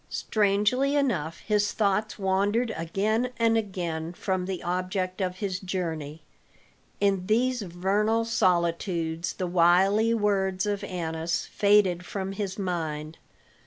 Strangely enough his thoughts wandered again and again from the object of his journey; in these vernal solitudes the wily words of Annas faded from his mind.